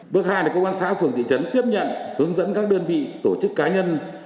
bước hai là công an xã phường thị trấn tiếp nhận hướng dẫn các đơn vị tổ chức cá nhân